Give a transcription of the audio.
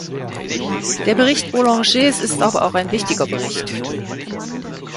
Der Bericht Bourlanges ist aber auch ein wichtiger Bericht.